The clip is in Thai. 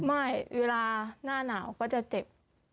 ไม่เวลาหน้าหนาวก็จะเจ็บ